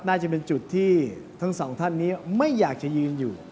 น่าจะเป็นจุดที่ทั้งสองท่านนี้ไม่อยากจะยืนอยู่